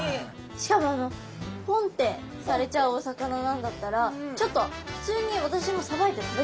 しかもあのポンってされちゃうお魚なんだったらちょっと普通に私もさばいて食べたいと思いましたもん